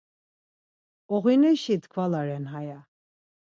Oğuneşi tkvala ren haya.